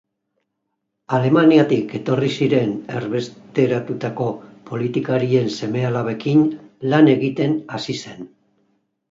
Alemaniatik etorri ziren erbesteratutako politikarien seme-alabekin lan egiten hasi zen.